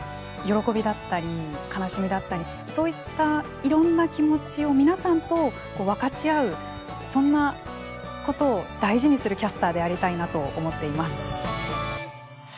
喜びだったり悲しみだったりそういったいろんな気持ちを皆さんと分かち合うそんなことを大事にするキャスターでありたいなと思っています。